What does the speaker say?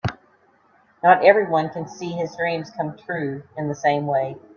Not everyone can see his dreams come true in the same way.